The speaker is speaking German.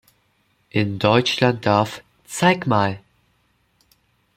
In Deutschland darf "Zeig mal!